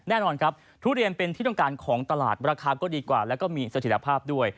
แน่นอนครับทุเรียนเป็นที่ต้องการของตลาดราคาก็ดีกว่าแล้วก็มีสถิตภาพด้วย